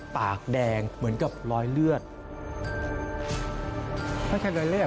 ภาคกินคน